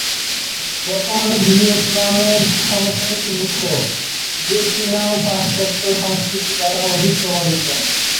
বর্তমানে ভিয়েতনামের সংস্কৃতি মিশ্র, যে চীনা ও পাশ্চাত্য সংস্কৃতি দ্বারা অধিক প্রভাবিত।